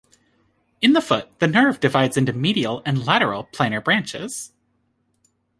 In the foot, the nerve divides into medial and lateral plantar branches.